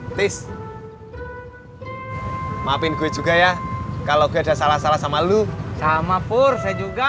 petis maafin gue juga ya kalau gue udah salah salah sama lu sama pur saya juga